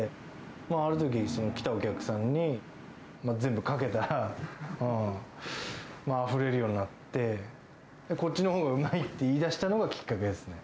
あるとき、来たお客さんに全部かけたら、あふれるようになって、こっちのほうがうまいって言い出したのがきっかけですね。